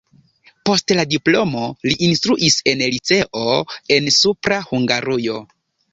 Post la diplomo li instruis en liceo en Supra Hungarujo.